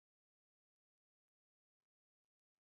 凯末尔主义相信只有共和体制才可以代表人民的希望。